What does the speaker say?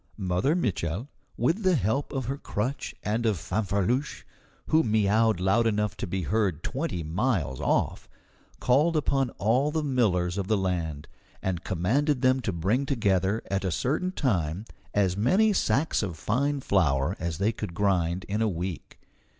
Mother Mitchel, with the help of her crutch and of Fanfreluche, who miaowed loud enough to be heard twenty miles off, called upon all the millers of the land, and commanded them to bring together at a certain time as many sacks of fine flour as they could grind in a week.